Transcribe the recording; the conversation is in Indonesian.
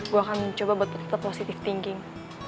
gue akan coba buat tetap positive thinking